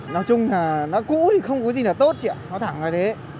nói chung là nó cũ thì không có gì là tốt chứ ạ nó thẳng là thế